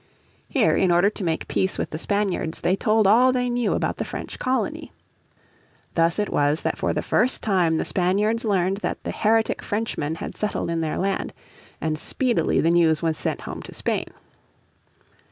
Here in order to make peace with the Spaniards they told all they knew about the French colony. Thus it was that for the first time the Spaniards learned that the heretic Frenchmen had settled in their land, and speedily the news was sent home to Spain.